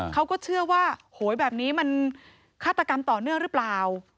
เขาก็เชื่อว่าโหยแบบนี้มันฆาตกรรมต่อเนื่องหรือเปล่า